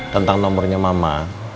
tentang nomornya mama